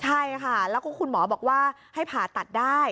ใช่ค่ะแล้วก็คุณหมอบอกว่าให้ผ่าตัดได้